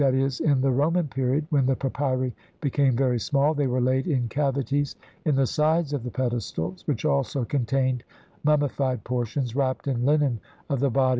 c, in the Roman period, when the papyri became very small, they were laid in cavities in the sides of the pedestals, which also contained mummi fied portions wrapped in linen of the bodies of the i.